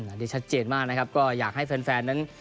อันนี้ชัดเจนมากนะครับก็อยากให้แฟนแฟนนั้น